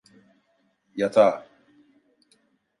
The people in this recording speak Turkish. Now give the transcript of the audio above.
Yatağa!